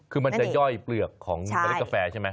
คือมันจะย่อยเปลือกของเมล็ดกาแฟใช่ไหม